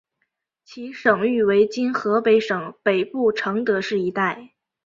其省域为今河北省北部承德市一带。